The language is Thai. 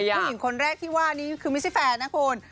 ผู้หญิงคนแรกที่ว่านี่คือไม่ใช่แฟนนะคุณ